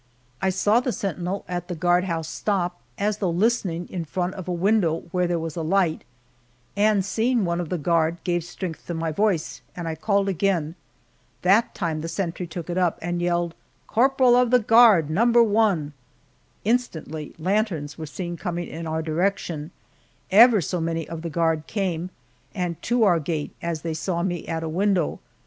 I saw the sentinel at the guardhouse stop, as though listening, in front of a window where there was a light, and seeing one of the guard gave strength to my voice, and I called again. That time the sentry took it up, and yelled, "Corporal of the guard, No. 1!" Instantly lanterns were seen coming in our direction ever so many of the guard came, and to our gate as they saw me at a window.